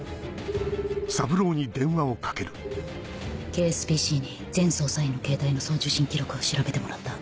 ＫＳＢＣに全捜査員のケータイの送受信記録を調べてもらった。